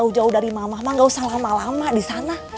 jauh jauh dari mama emang gak usah lama lama disana